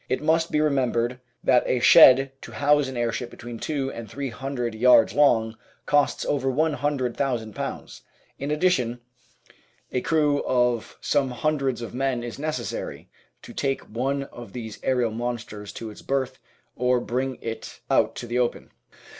It must be remembered that a shed, to house an airship between two and three hundred yards long, costs over one hundred thousand pounds. In addition, a crew of some hundreds of men is neces ', sary to take one of these aerial monsters to its berth, or bring it ut to the open.